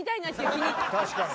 確かに。